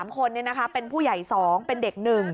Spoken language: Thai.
๓คนเป็นผู้ใหญ่๒เป็นเด็ก๑